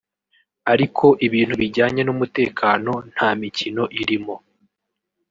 ariko ibintu bijyanye n’umutekano nta mikino irimo